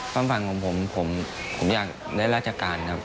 ความฝันของผมผมอยากได้ราชการครับ